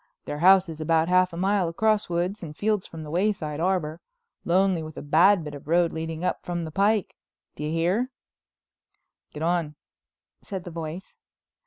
Their house is about half a mile across woods and fields from the Wayside Arbor, lonely with a bad bit of road leading up from the pike. Do you hear?" "Get on," said the voice.